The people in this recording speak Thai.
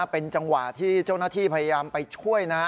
เป็นจังหวะที่เจ้าหน้าที่พยายามไปช่วยนะ